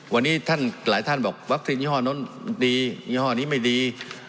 วันนี้ท่านหลายท่านบอกวัคซีนยี่ห้อโน้นดียี่ห้อนี้ไม่ดี